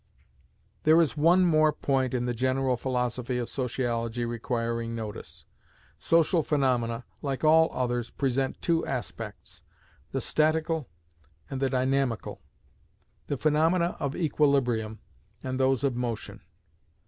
There is one more point in the general philosophy of sociology requiring notice. Social phaenomena, like all others, present two aspects, the statical, and the dynamical; the phaenomena of equilibrium, and those of motion.